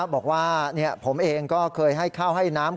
บอกว่าผมเองก็เคยให้ข้าวให้น้ำ